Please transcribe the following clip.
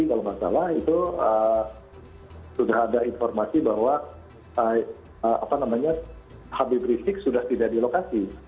kalau nggak salah itu sudah ada informasi bahwa habib rizik sudah tidak di lokasi